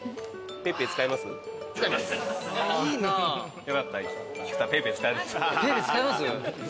ＰａｙＰａｙ使えます？